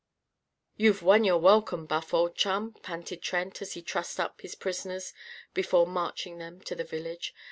"You've won your welcome, Buff, old chum!" panted Trent, as he trussed up his prisoners, before marching them to the village.